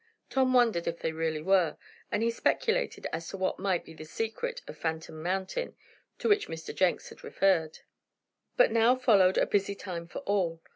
Tom wondered if they really were, and he speculated as to what might be the secret of Phantom Mountain, to which Mr. Jenks had referred. But now followed a busy time for all.